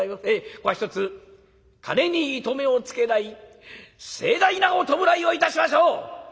ここはひとつ金に糸目をつけない盛大なお葬式をいたしましょう！」。